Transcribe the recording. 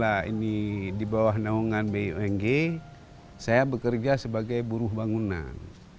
nah ini di bawah naungan bung saya bekerja sebagai buruh bangunan